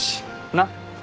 なっ。